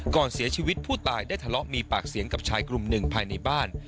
ก่อนเสียชีวิตผู้ตายได้ทะเลาะมีปากเสียงกับชายกลุ่มหนึ่งภายในบ้าน